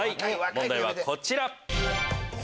問題はこちら。